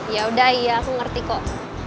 ya udah iya aku ngerti kok